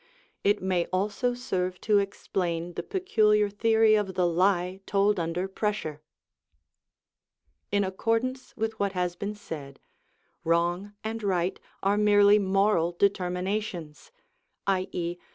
It may also serve to explain the peculiar theory of the lie told under pressure.(75) In accordance with what has been said, wrong and right are merely moral determinations, _i.e.